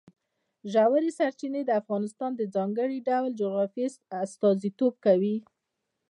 ژورې سرچینې د افغانستان د ځانګړي ډول جغرافیه استازیتوب کوي.